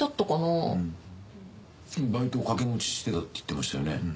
バイトを掛け持ちしてたって言ってましたよね。